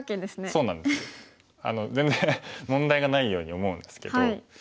そうなんです全然問題がないように思うんですけど。